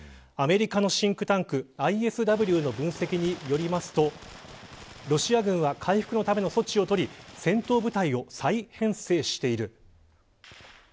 アメリカのシンクタンクＩＳＷの分析によるとロシア軍は回復のための措置を取り戦闘部隊を再編成している。